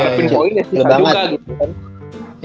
kalau ngarepin poinnya susah juga